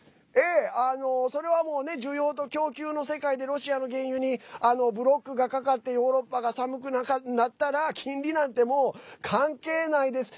それはもうね需要と供給の世界でロシアの原油にブロックがかかってヨーロッパが寒くなったら金利なんて、もう関係ないです。